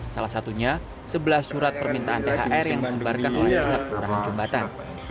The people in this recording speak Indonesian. salah satunya sebelah surat permintaan thr yang disembarkan oleh pihak kelurahan jombatan